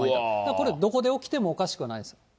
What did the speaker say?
これ、どこで起きてもおかしくはないです。